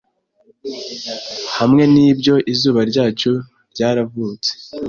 Hamwe nibyo izuba ryacu ryaravutse